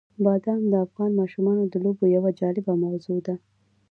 بادام د افغان ماشومانو د لوبو یوه جالبه موضوع ده.